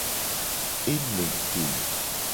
E me te.